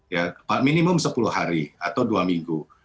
ya minimum sepuluh hari atau dua minggu